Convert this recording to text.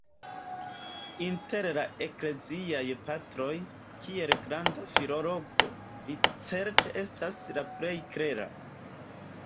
Inter la Ekleziaj Patroj, kiel granda filologo, li certe estas la plej klera.